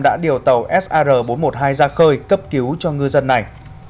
đã điều tàu sr bốn trăm một mươi hai ra khơi cấp cứu cho ngư dân này